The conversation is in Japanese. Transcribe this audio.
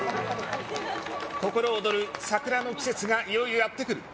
心躍る桜の季節がいよいよやってくる。